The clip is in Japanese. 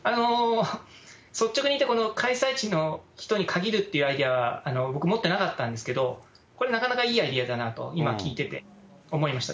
率直にいって、この開催地の人に限るっていうアイデアは僕持ってなかったんですけど、これ、なかなかいいアイデアだなと、今聞いてて思いました。